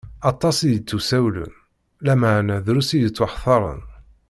Aṭas i d-ittusawlen, lameɛna drus i yettwaxtaṛen.